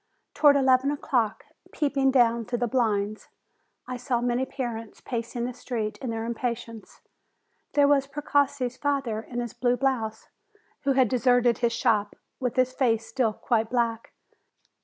Towards eleven o'clock, peeping down through the blinds, I saw many parents pacing 342 JULY the street in their impatience. There was Precossi's father, in his blue blouse, who had deserted his shop, with his face still quite black.